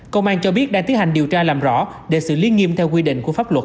công an cho biết đang tiến hành điều tra làm rõ để xử lý nghiêm theo quy định của pháp luật